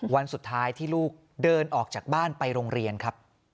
วันสุดท้ายที่ลูกเดินออกจากบ้านไปโรงเรียนครับ